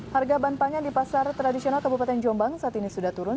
harga bahan pangan di pasar tradisional kabupaten jombang saat ini sudah turun